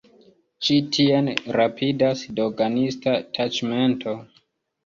Ĉi tien rapidas doganista taĉmento.